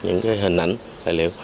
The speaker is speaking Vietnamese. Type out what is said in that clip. những cái hình ảnh tài liệu